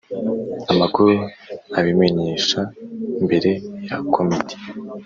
amakuru abimenyesha mbere ya Komite